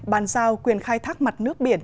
bàn giao quyền khai thác mặt nước biển